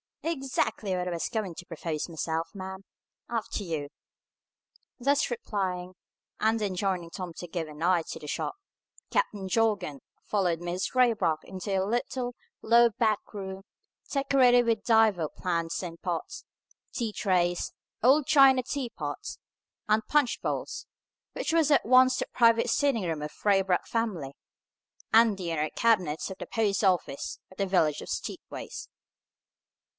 "Ex actly what I was going to propose myself, ma'am. After you." Thus replying, and enjoining Tom to give an eye to the shop, Captain Jorgan followed Mrs. Raybrock into the little, low back room, decorated with divers plants in pots, tea trays, old china teapots, and punch bowls, which was at once the private sitting room of the Raybrock family and the inner cabinet of the post office of the village of Steepways.